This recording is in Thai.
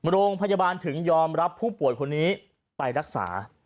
โรงพยาบาลถึงยอมรับผู้ป่วยคนนี้ไปรักษา